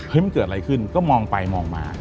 มันเกิดอะไรขึ้นก็มองไปมองมา